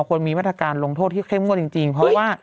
ควรมีมาตรการลงโทษที่เข้มงวดจริงเพราะว่า